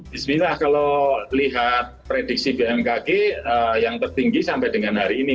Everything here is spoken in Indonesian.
bismillah kalau lihat prediksi bmkg yang tertinggi sampai dengan hari ini